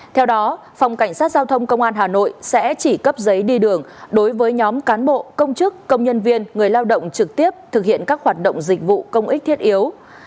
theo đó phòng cảnh sát giao thông công an hà nội sẽ chỉ cấp giấy đi đường đối với nhóm cán bộ công chức công nhân viên người lao động trực tiếp thực hiện các hoạt động dịch vụ công ích thiết yếu